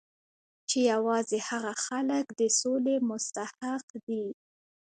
چې یوازې هغه خلک د سولې مستحق دي